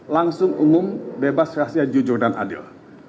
langsung umum bebas rahasia jujur dan adil